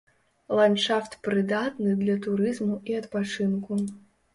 Ландшафт прыдатны для турызму і адпачынку.